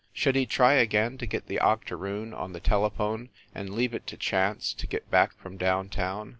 Should he try again to get the octoroon on the telephone and leave it to chance to get back from down town?